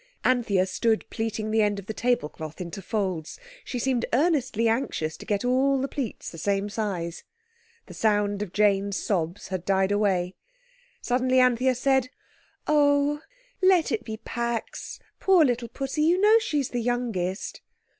Anthea stood pleating the end of the tablecloth into folds—she seemed earnestly anxious to get all the pleats the same size. The sound of Jane's sobs had died away. Suddenly Anthea said, "Oh! let it be 'pax'—poor little Pussy—you know she's the youngest."